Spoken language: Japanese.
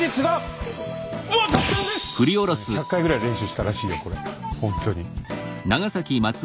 これね１００回ぐらい練習したらしいよこれほんとに。